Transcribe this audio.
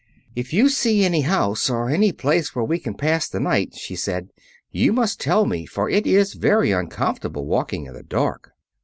"If you see any house, or any place where we can pass the night," she said, "you must tell me; for it is very uncomfortable walking in the dark."